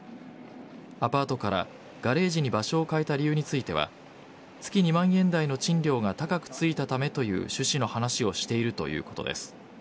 アパートからガレージに場所を変えた理由については月２万円台の賃料が高くついたためという趣旨の話をしているということです。